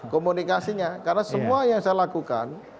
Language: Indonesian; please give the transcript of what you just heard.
komunikasinya karena semua yang saya lakukan